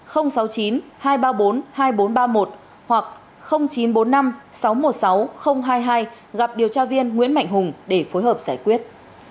hoặc chín trăm bốn mươi năm sáu trăm một mươi sáu hai mươi hai gặp điều tra viên nguyễn mạnh hùng để phối hợp giải quyết